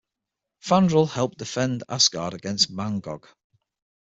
Fandral helped defend Asgard against Mangog.